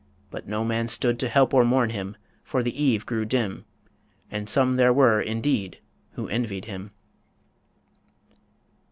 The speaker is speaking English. But no man stood To help or mourn him, for the eve grew dim And some there were, indeed, who envied him.